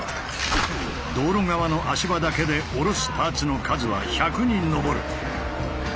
道路側の足場だけで下ろすパーツの数は１００に上る。